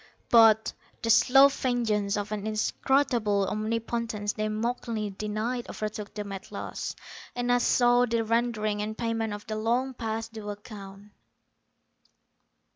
_ _But the slow vengeance of an inscrutable Omnipotence they mockingly denied overtook them at last, and I saw the rendering and payment of the long past due account.